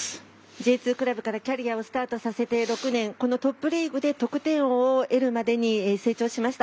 Ｊ２からキャリアをスタートさせてトップリーグで得点王までに成長しました。